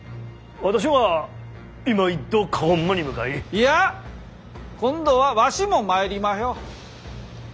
いや今度はわしも参りまひょ。